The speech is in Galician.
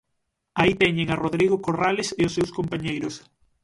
Aí teñen a Rodrigo Corrales e os seus compañeiros.